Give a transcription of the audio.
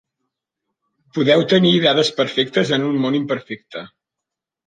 Podeu tenir dades perfectes en un món imperfecte.